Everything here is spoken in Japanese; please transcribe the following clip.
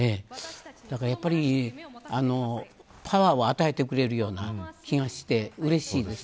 やっぱり、パワーを与えてくれるような気がしてうれしいです。